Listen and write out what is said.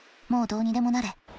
もうどうにでもなれ。